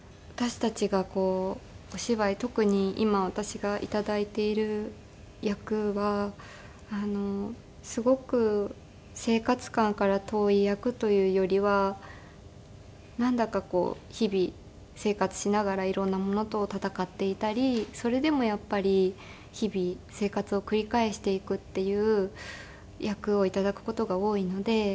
私たちがお芝居特に今私が頂いている役はすごく生活感から遠い役というよりはなんだかこう日々生活しながら色んなものと闘っていたりそれでもやっぱり日々生活を繰り返していくっていう役を頂く事が多いので。